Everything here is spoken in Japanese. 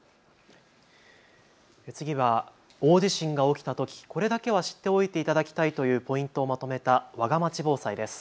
次は大地震が起きたときこれだけは知っておいていただきたいというポイントをまとめたわがまち防災です。